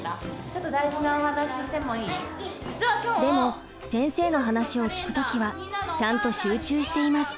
でも先生の話を聞く時はちゃんと集中しています。